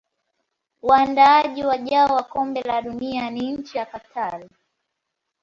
waandaaji wajao wa kombe la dunia ni nchi ya Qatar